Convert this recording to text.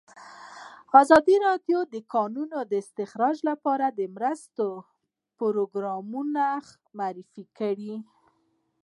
ازادي راډیو د د کانونو استخراج لپاره د مرستو پروګرامونه معرفي کړي.